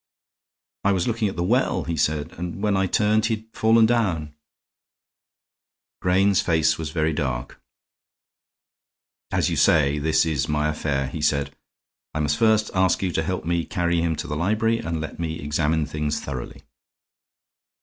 "I was looking at the well," he said, "and when I turned he had fallen down." Grayne's face was very dark. "As you say, this is my affair," he said. "I must first ask you to help me carry him to the library and let me examine things thoroughly."